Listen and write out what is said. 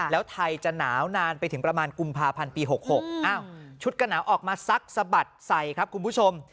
แล้วไทยจะหนาวนานไปถึงประมาณกุมภาพันธ์ปี๖๖ชุดกระหนาวออกมาซักสะบัดใส่ครับคุณผู้ชม